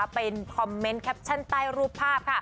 เป็นคอมเมนต์แคปชั่นใต้รูปภาพค่ะ